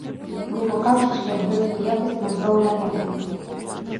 Груба кажучы, я б гэтую якасць назваў лянотай.